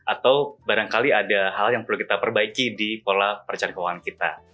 atau barangkali ada hal yang perlu kita perbaiki di pola percayaan keuangan kita